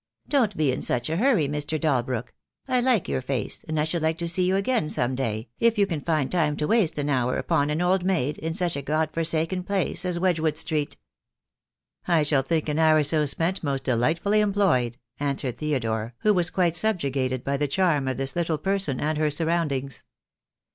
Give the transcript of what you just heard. ''Don't be in such a hurry, Mr. Dalbrook. I like your face, and I should like to see you again some day, if you can find time to waste an hour upon an old maid in such a God forsaken place as Wedgewood Street." "I shall think an hour so spent most delightfully employed," answered Theodore, who was quite subjugated by the charm of this little person and her surroundings.